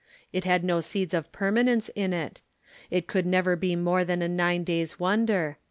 It had no seeds of permanence in it. It could never be more than a nine days' wonder.